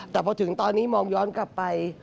แต่พอถึงตอนนี้มองย้อนกลับไป